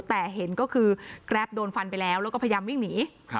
แต่เห็นก็คือแกรปโดนฟันไปแล้วแล้วก็พยายามวิ่งหนี